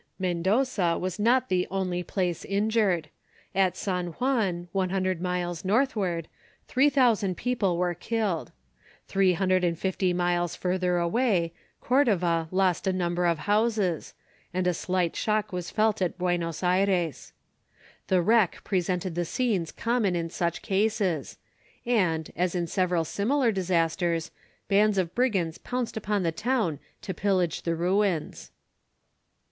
Mendoza was not the only place injured. At San Juan, one hundred miles northward, three thousand people were killed. Three hundred and fifty miles further away, Cordova lost a number of houses, and a slight shock was felt at Buenos Ayres. The wreck presented the scenes common in such cases; and, as in several similar disasters, bands of brigands pounced upon the town to pillage the ruins.